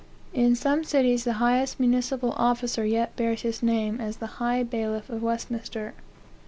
In some cities the highest municipal officer yet bears this name, as the high bailiff of Westminster.